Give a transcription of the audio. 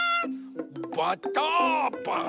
バターパン。